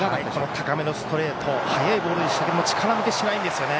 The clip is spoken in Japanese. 高めのストレート速いボールでしたが力負けしないんですよね。